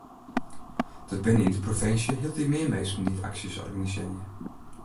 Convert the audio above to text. Der binne yn de provinsje hieltyd mear minsken dy't aksjes organisearje.